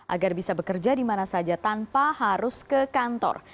agar bisa bekerja dimana saja tanpa harus ke kantor